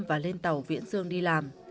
và lên tàu viễn dương đi làm